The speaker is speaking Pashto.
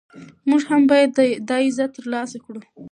موږ هم باید دا عزت ترلاسه کړو.